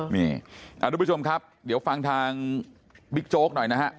นี่ทุกผู้ชมครับเดี๋ยวฟังทางบิ๊กโจ๊กหน่อยนะฮะ